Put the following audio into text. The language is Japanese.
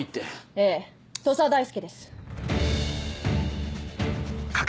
ええ土佐大輔です。